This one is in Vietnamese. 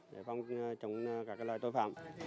trong các loại tội phạm